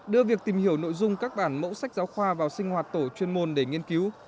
đưa việc tìm hiểu nội dung các bản mẫu sách giáo khoa vào sinh hoạt tổ chuyên môn để nghiên cứu